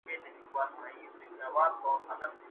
تیارې دې نه شي پټولے، چراغان به شې